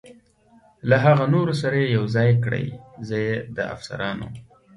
له هغه نورو سره یې یو ځای کړئ، زه یې د افسرانو.